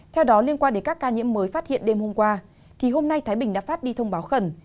theo đó liên quan đến các ca nhiễm mới phát hiện đêm hôm qua thì hôm nay thái bình đã phát đi thông báo khẩn